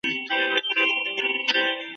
তিন্নি কোনো জবাব দেয় নি।